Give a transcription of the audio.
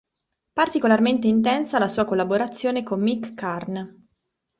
Particolarmente intensa la sua collaborazione con Mick Karn.